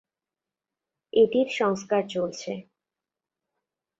এটির সংস্কার চলছে।